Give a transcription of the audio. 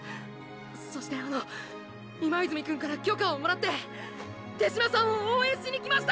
そしてあの今泉くんから許可をもらって手嶋さんを応援しに来ました！